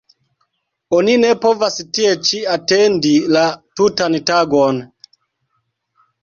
Oni ne povas tie ĉi atendi la tutan tagon.